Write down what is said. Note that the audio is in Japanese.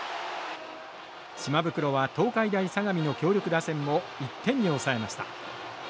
島袋は東海大相模の強力打線を１点に抑えました。